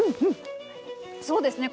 そうですね